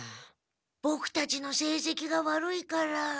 ボクたちのせいせきが悪いから。